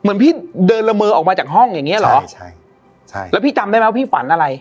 เหมือนพี่เดินละเมอออกมาจากห้องอย่างเงี้เหรอใช่ใช่แล้วพี่จำได้ไหมว่าพี่ฝันอะไร